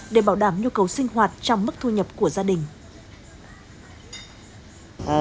để bảo đảm nhu cầu sinh hoạt trong mức thu nhập của gia đình